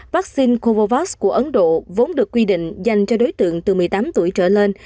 vaccine kovovas của ấn độ vốn được quy định dành cho đối tượng từ một mươi tám tuổi trở lên